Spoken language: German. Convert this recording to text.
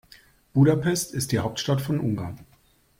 Budapest ist die Hauptstadt von Ungarn.